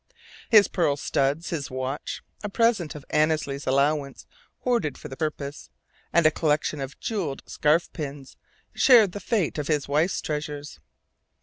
His pearl studs, his watch (a present out of Annesley's allowance, hoarded for the purpose), and a collection of jewelled scarf pins shared the fate of his wife's treasures.